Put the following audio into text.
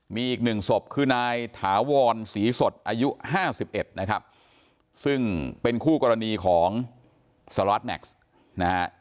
มีอีกหนึ่งสบคือนายถาวรศรีสดอายุห้าสิบเอ็ดนะครับซึ่งเป็นคู่กรณีของสารวัตรแม็กซ์นะฮะ